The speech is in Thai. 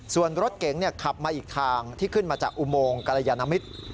ส่วนรถเก๋งขับมาอีกทางที่ขึ้นมาจากอุโมงกรยานมิตร